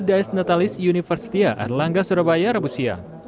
dias natalis universitia adelangga surabaya rabusia